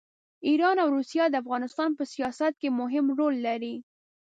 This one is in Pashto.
ایران او روسیه د افغانستان په سیاست کې مهم رول لري.